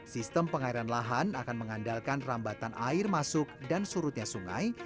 sistem pengairan lahan akan mengandalkan rambatan air masuk dan surutnya sungai